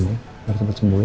biar cepet sembuh ya